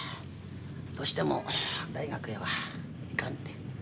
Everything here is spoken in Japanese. どうしても大学へは行かんて？